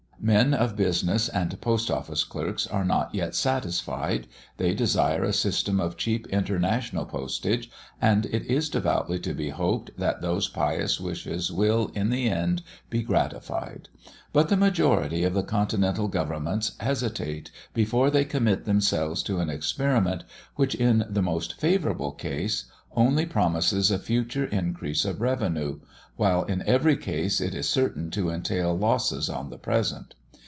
Men of business and post office clerks are not yet satisfied; they desire a system of cheap international postage, and it is devoutly to be hoped that those pious wishes will, in the end, be gratified. But the majority of the continental governments hesitate before they commit themselves to an experiment, which, in the most favourable case, only promises a future increase of revenue, while in every case it is certain to entail losses on the present.